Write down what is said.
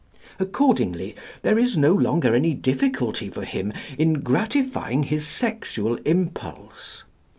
Accordingly, there is no longer any difficulty for him in gratifying his sexual impulse.